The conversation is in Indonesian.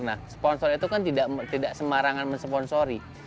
nah sponsor itu kan tidak sembarangan mensponsori